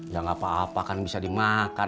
ya nggak apa apa kan bisa dimakan